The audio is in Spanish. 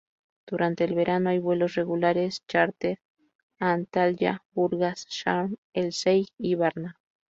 Durante el verano hay vuelos regulares chárter a Antalya, Burgas, Sharm el-Sheij y Varna.